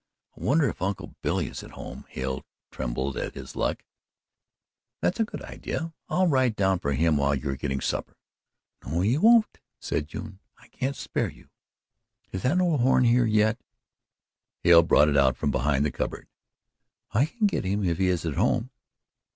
"I wonder if Uncle Billy is at home," Hale trembled at his luck. "That's a good idea. I'll ride down for him while you're getting supper." "No, you won't," said June, "I can't spare you. Is that old horn here yet?" Hale brought it out from behind the cupboard. "I can get him if he is at home."